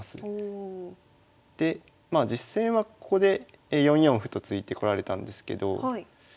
で実戦はここで４四歩と突いてこられたんですけど。